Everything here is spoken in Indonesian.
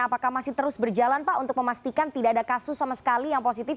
apakah masih terus berjalan pak untuk memastikan tidak ada kasus sama sekali yang positif